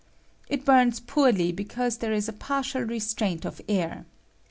It bums poorly because there is a partial restraint of iar.